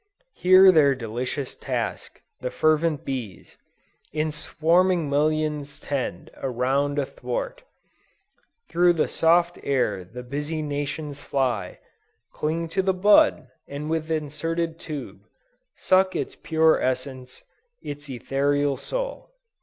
"Here their delicious task, the fervent bees In swarming millions tend: around, athwart, Through the soft air the busy nations fly, Cling to the bud, and with inserted tube, Suck its pure essence, its etherial soul."